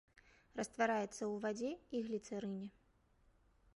Раствараецца ў вадзе і гліцэрыне.